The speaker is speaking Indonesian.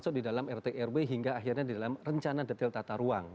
nah maksudnya dari awal kita masuk di dalam rt rw hingga akhirnya di dalam rencana detail tata ruang